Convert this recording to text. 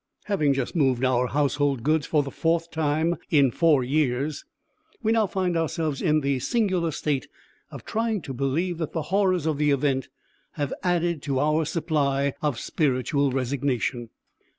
Having just moved our household goods for the fourth time in four years, we now find ourself in the singular state of trying to believe that the horrors of the event have added to our supply of spiritual resignation.